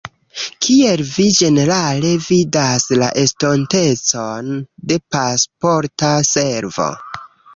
Kiel vi ĝenerale vidas la estontecon de Pasporta Servo?